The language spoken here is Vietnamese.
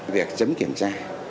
việc chấm kiểm tra